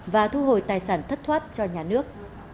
và thu hồi tài sản thất thoát cho nhà nước